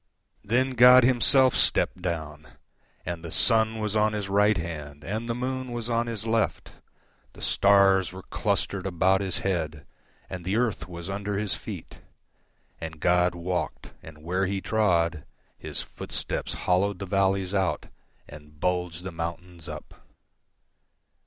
Then God himself stepped down—And the sun was on His right hand, And the moon was on His left; The stars were clustered about His head, And the earth was under His feet. And God walked, and where He trodHis footsteps hollowed the valleys outAnd bulged the mountains up.